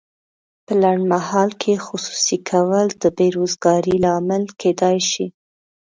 په لنډمهال کې خصوصي کول د بې روزګارۍ لامل کیدای شي.